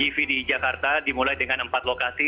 tv di jakarta dimulai dengan empat lokasi